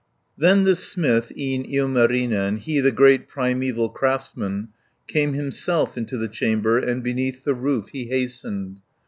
Then the smith, e'en Ilmarinen, He the great primeval craftsman, Came himself into the chamber, And beneath the roof he hastened.